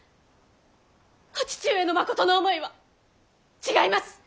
お義父上のまことの思いは違います！